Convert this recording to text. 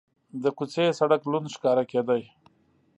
د کوڅې سړک لوند ښکاره کېده.